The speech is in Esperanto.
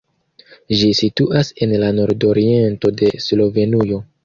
Ĝi situas en la nordoriento de Slovenujo.